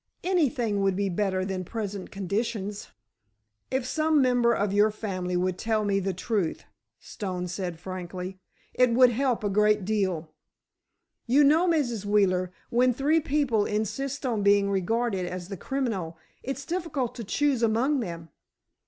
Anything would be better than present conditions!" "If some member of your family would tell me the truth," Stone said frankly, "it would help a great deal. You know, Mrs. Wheeler, when three people insist on being regarded as the criminal, it's difficult to choose among them.